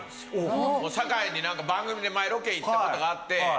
堺に番組で前ロケ行ったことがあって。